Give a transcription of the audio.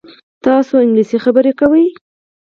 تاسو انګلیسي خبرې کوئ؟